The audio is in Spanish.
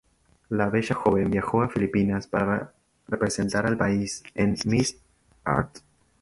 La bella joven viajó a Filipinas para representar al país en Miss Earth.